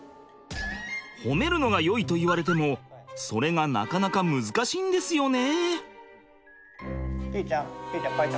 褒めるのがよいと言われてもそれがなかなか難しいんですよね。